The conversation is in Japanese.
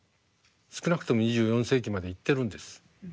少なくとも２４世紀まで行ってるんです。